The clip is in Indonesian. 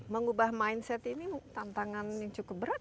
mengubah mindset ini tantangan yang cukup berat